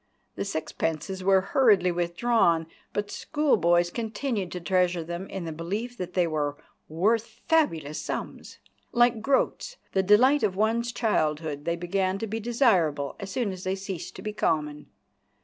The sixpences were hurriedly withdrawn, but schoolboys continued to treasure them in the belief that they were worth fabulous sums. Like groats, the delight of one's childhood, they began to be desirable as soon as they ceased to be common.